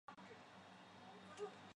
主攻蛙泳。